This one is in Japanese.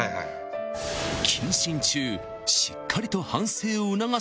［謹慎中しっかりと］